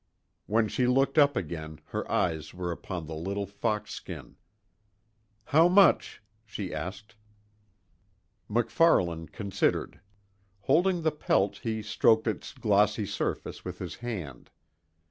When she looked up again her eyes were upon the little fox skin. "How much?" she asked. MacFarlane considered. Holding the pelt he stroked its glossy surface with his hand.